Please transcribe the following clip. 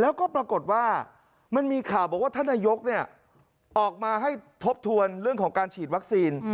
แล้วก็ปรากฏว่ามันมีข่าวบอกว่าท่านนายกออกมาให้ทบทวนเรื่องของการฉีดวัคซีน